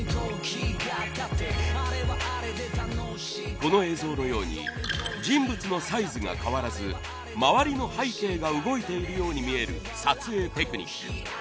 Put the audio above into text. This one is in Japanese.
この映像のように人物のサイズが変わらず周りの背景が動いているように見える撮影テクニック。